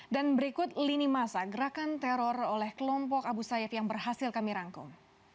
dan berikut lini masa gerakan teror oleh kelompok abu sayyaf yang berhasil kami rangkum